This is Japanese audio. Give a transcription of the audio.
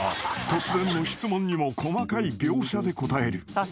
突然の質問にも細かい描写で答える］